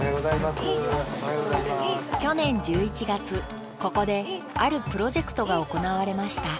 去年１１月ここであるプロジェクトが行われました。